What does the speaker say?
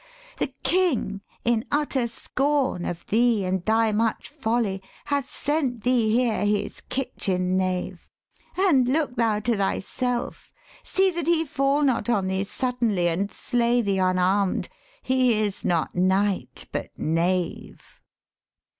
The King in utter scorn Of thee and thy much folly hath sent thee here His kitchen knave: and look thou to thyself: See that he fall not on thee suddenly, And slay thee unarm'd: he is not knight but knave.'